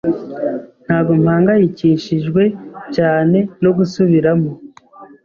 Ntabwo mpangayikishijwe cyane no gusubiramo.